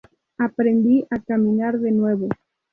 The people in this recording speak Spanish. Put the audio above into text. Aprendí a caminar de nuevo.